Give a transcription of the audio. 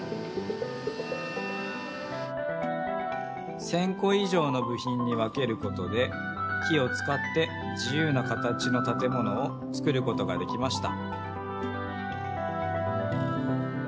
１，０００こい上のぶひんに分けることで木をつかって自ゆうな形のたてものをつくることができました。